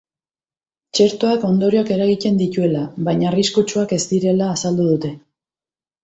Txertoak ondorioak eragiten dituela, baina arriskutsuak ez direla azaldu dute.